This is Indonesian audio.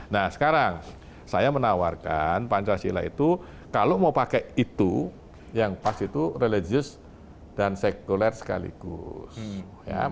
nah sekarang saya menawarkan pancasila itu kalau mau pakai itu yang pas itu religius dan sekuler sekaligus